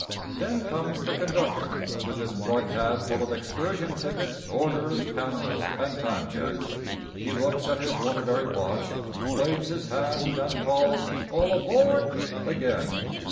Then comes the conductor, with his plug hat full of excursion tickets, orders, passes, and timechecks; he looks at his Waterbury watch, waves his hand, and calls "All aboard" again.